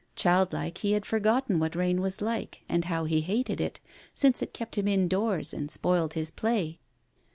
Child like, he had forgotten what rain was like, and how he hated it, since it kept him indoors, and spoiled his play.